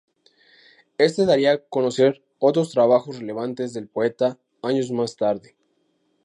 Ésta daría a conocer otros trabajos relevantes del poeta años más tarde.